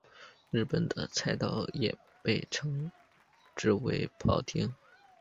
日本的菜刀也被称之为庖丁。